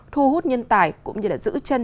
thu hút nhân tài cũng như giữ chân